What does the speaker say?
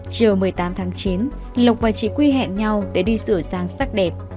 chiều một mươi tám tháng chín lộc và chỉ quy hẹn nhau để đi sửa sáng sắc đẹp